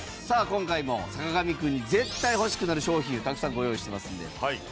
さあ今回も坂上くんに絶対欲しくなる商品をたくさんご用意してますので。